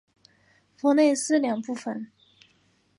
弗内斯两部分。